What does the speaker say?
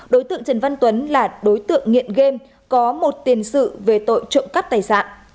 đối tượng trần văn tuấn là đối tượng nghiện game có một tiền sự về tội trộm cắp tài sản